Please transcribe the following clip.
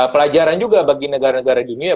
pelajaran juga bagi negara negara dunia